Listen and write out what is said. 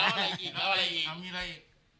เอาอะไรอีกเอาอะไรอีก